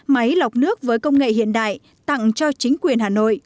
máy lọc nước với công nghệ hiện đại tặng cho chính quyền hà nội